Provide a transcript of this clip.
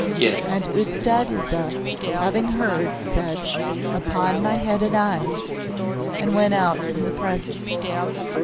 And Ustad Isa, having heard, said, "Upon my head and eyes!" and went out from the Presence.